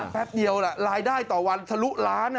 แป๊บเดียวล่ะรายได้ต่อวันสรุปล้าน